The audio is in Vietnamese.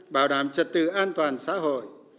bảo đảm trật tự an toàn xã hội